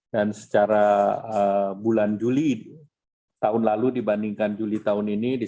dan secara bulan juli tahun lalu dibandingkan juli ini